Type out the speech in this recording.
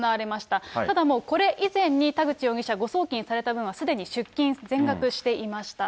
ただもう、これ以前に田口容疑者、誤送金された分は、すでに出金、全額していました。